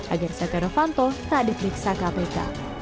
agar setia novanto tak diperiksa kpk